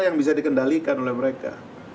yang bisa dikendalikan oleh mereka